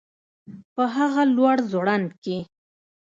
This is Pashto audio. په هغه لوړ ځوړند کي